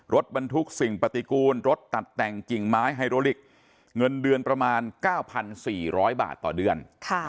รถบรรทุกสิ่งปฏิกูลรถตัดแต่งกิ่งไม้ไฮโรลิกเงินเดือนประมาณ๙๔๐๐บาทต่อเดือน